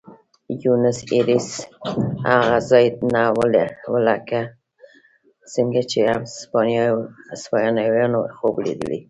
بونیس ایرس هغه ځای نه و لکه څنګه چې هسپانویانو خوب لیدلی.